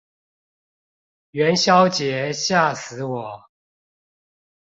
元宵節嚇死我